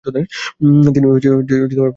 তিনি পুরো সময় খেলেন।